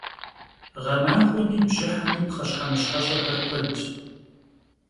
Ğemaxuemi bjıhemi pxheşhemışheş'exer kuedş.